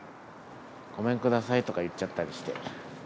ごめんくださいとか言っちゃったりして。